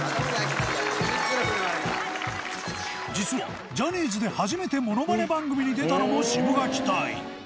実はジャニーズで初めてモノマネ番組に出たのもシブがき隊。